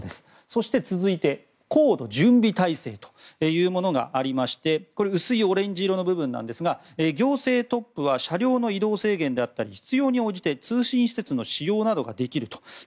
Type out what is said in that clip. そして続いて、高度準備体制というものがありまして薄いオレンジ色の部分ですが行政トップは車両の移動制限や必要に応じて通信施設の利用などができると。